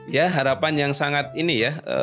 ya harapan yang sangat ini ya